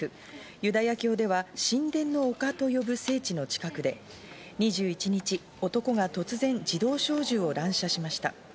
ユダヤ教では神殿の丘と呼ぶ聖地の近くで２１日、男が突然、自動小銃を乱射しました。